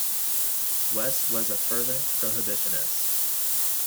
West was a fervent prohibitionist.